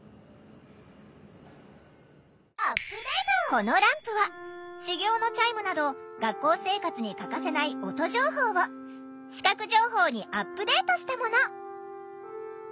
このランプは始業のチャイムなど学校生活に欠かせない音情報を視覚情報にアップデートしたもの。